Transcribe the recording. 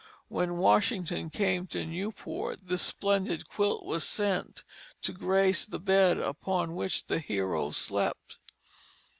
When Washington came to Newport, this splendid quilt was sent to grace the bed upon which the hero slept.